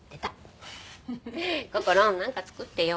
こころなんか作ってよ。